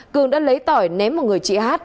cường đã lấy tỏi ném một người chị hát